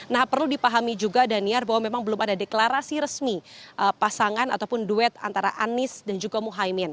nah perlu dipahami juga daniar bahwa memang belum ada deklarasi resmi pasangan ataupun duet antara anies dan juga muhaymin